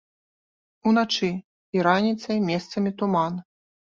Уначы і раніцай месцамі туман.